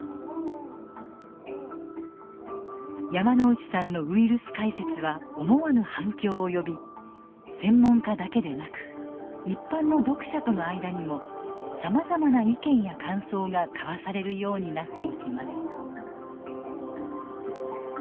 山内さんのウイルス解説は思わぬ反響を呼び専門家だけでなく一般の読者との間にもさまざまな意見や感想が交わされるようになっていきます。